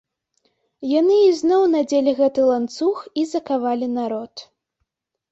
Яны ізноў надзелі гэты ланцуг і закавалі народ.